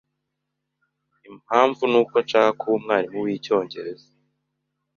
Impamvu nuko nshaka kuba umwarimu wicyongereza.